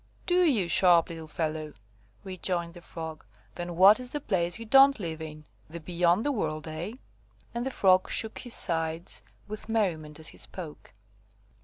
"Do you, sharp little fellow?" rejoined the Frog. "Then what is the place you don't live in, the 'beyond' the world, eh?" And the Frog shook his sides with merriment as he spoke.